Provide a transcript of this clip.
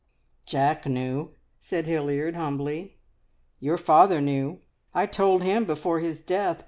"Jack knew," said Hilliard humbly. "Your father knew. I told him before his death.